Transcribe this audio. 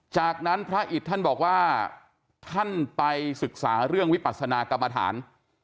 จากนั้นพระอิตท่านบอกว่าท่านไปศึกษาเรื่องวิปัสนากรรมฐาน